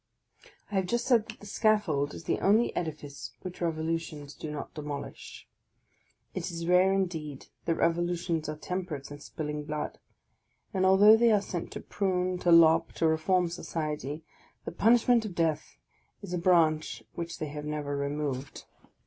I have just said that the scaffold is the only edifice which revolutions do not demolish. It is rare indeed that revolu tions are temperate in spilling blood; and although they are sent to prune, to lop, to reform society, the punishment of death is a branch which they have never removed!